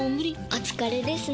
お疲れですね。